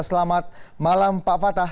selamat malam pak fattah